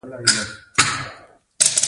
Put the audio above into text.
موږ باید باداران اوسو.